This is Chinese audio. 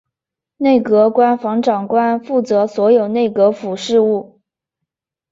内阁官房长官负责所有内阁府事务。